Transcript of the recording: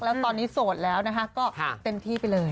แล้วตอนนี้โสดแล้วนะคะก็เต็มที่ไปเลย